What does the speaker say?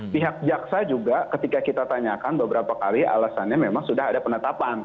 pihak jaksa juga ketika kita tanyakan beberapa kali alasannya memang sudah ada penetapan